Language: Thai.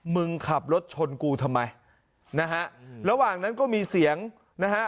มึงขับรถชนกูทำไมนะฮะระหว่างนั้นก็มีเสียงนะฮะ